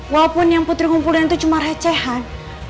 walaupun yang putri ngumpulin itu cuma recehan